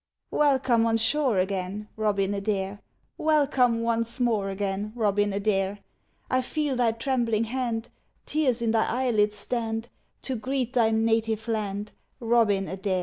Welcome on shore again, Robin Adair! Welcome once more again, Robin Adair! I feel thy trembling hand; Tears in thy eyelids stand, To greet thy native land, Robin Adair!